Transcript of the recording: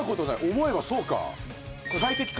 思えばそうか。